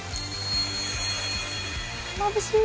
まぶしい！